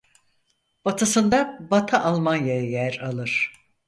Batısında Batı Almanya yer alır.